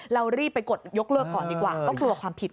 เรารีบไปกดยกเลิกก่อนดีกว่าก็กลัวความผิด